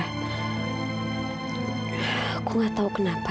aku gak tau kenapa